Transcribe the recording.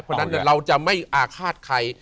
เพราะฉะนั้นเราจะไม่อาฆาตใคร